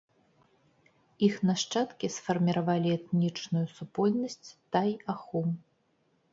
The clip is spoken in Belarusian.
Іх нашчадкі сфарміравалі этнічную супольнасць тай-ахом.